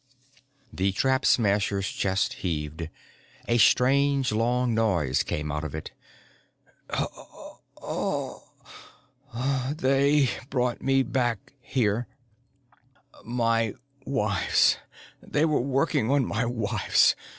The Trap Smasher's chest heaved: a strange, long noise came out of it. "They brought me back here. My wives they were working on my wives.